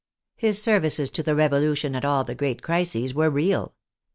His services to the Revolution at all the great crises were real.